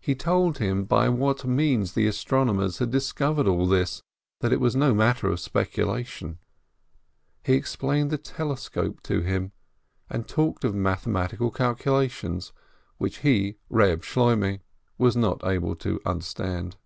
He told him by what means the astronomers had discovered all this, that it was no matter of speculation; he explained the telescope to him, and talked of mathematical calculations, which he, Eeb Shloimeh, was not able to understand.